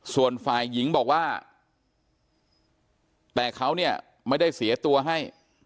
ส่วนฝ่ายหญิงบอกว่าแต่เขาเนี่ยไม่ได้เสียตัวให้